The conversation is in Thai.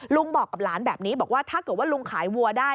บอกกับหลานแบบนี้บอกว่าถ้าเกิดว่าลุงขายวัวได้